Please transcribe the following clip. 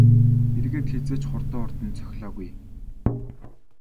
Эргээд хэзээ ч хурдан хурдан цохилоогүй ээ.